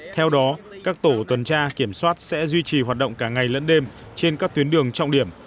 theo đó các tổ tuần tra kiểm soát sẽ duy trì hoạt động cả ngày lẫn đêm trên các tuyến đường trọng điểm